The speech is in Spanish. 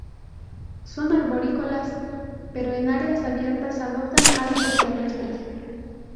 Son arborícolas, pero en áreas abierta adoptan hábitos terrestres.